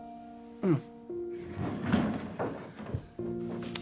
うん。